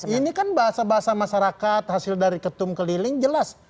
ini kan bahasa bahasa masyarakat hasil dari ketum keliling jelas